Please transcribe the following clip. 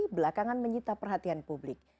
belakangan menyita perhatian publik